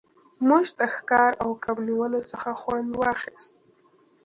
موږ د ښکار او کب نیولو څخه خوند واخیست